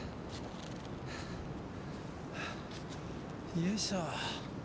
よいしょ。